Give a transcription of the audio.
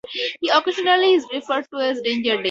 He occasionally is referred to as 'Danger Dave'.